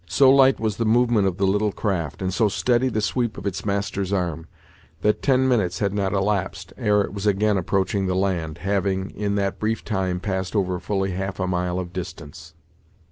So light was the movement of the little craft, and so steady the sweep of its master's arm, that ten minutes had not elapsed ere it was again approaching the land, having, in that brief time, passed over fully half a mile of distance.